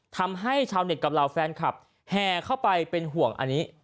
ทำให้ชาวเน็ตกับเหล่าแฟนคลับแห่เข้าไปเป็นห่วงอันนี้